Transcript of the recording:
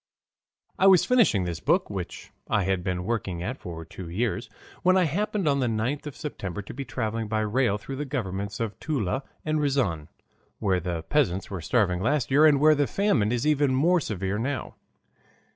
I was finishing this book, which I had been working at for two years, when I happened on the 9th of September to be traveling by rail through the governments of Toula and Riazan, where the peasants were starving last year and where the famine is even more severe now.